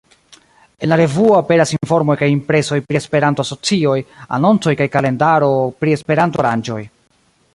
En la revuo aperas informoj kaj impresoj pri Esperanto-asocioj, anoncoj kaj kalendaro pri Esperanto-aranĝoj.